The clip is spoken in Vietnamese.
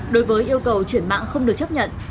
đối với yêu cầu chuyển mạng không được chấp nhận